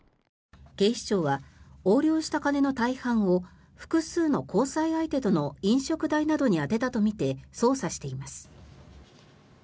警視庁は、横領した金の大半を複数の交際相手との飲食代などに充てたとみて捜査しています。